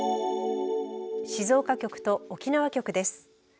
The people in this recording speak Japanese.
静岡局と沖縄局です。